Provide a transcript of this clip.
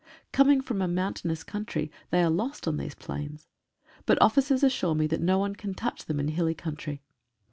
Coming from a mountainous country, they are lost on these plains. But officers assure me that no one can touch them in hilly coun try.